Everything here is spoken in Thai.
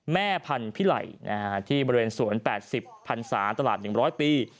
แม่พันธิไหลที่บริเวณสวน๘๐พันศาตลาด๑๐๐ปี